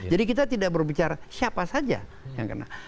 jadi kita tidak berbicara siapa saja yang kena